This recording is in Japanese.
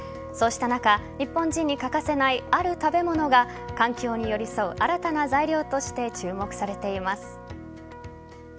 そうした中日本人に欠かせないある食べ物が環境に寄り添う新たな材料として注目されています。